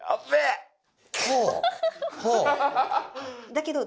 だけど。